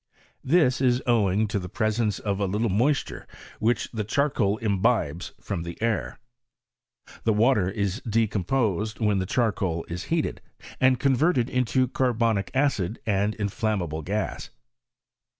This is owing to the presence of a little moisture which the charcoal imbibes from the air. The water is decomposed when the charcoal is heated and converted into carbonic acid and inflam mable gas.